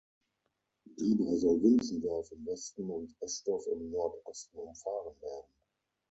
Dabei soll Wünschendorf im Westen, und Eschdorf im Nord-Osten umfahren werden.